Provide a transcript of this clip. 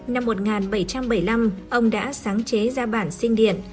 năm một nghìn bảy trăm bảy mươi năm ông đã sáng chế ra bản sinh điện